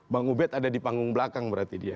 bang ubed ada di panggung belakang berarti dia